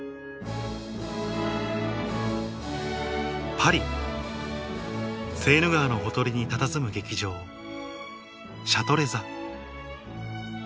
パリセーヌ川のほとりにたたずむ劇場シャトレ座